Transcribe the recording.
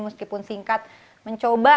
meskipun singkat mencoba